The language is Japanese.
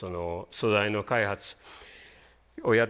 素材の開発をやってて。